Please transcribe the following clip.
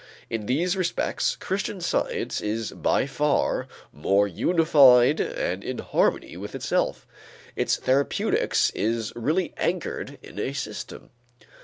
In these respects Christian Science is by far more unified and in harmony with itself; its therapeutics is really anchored in a system.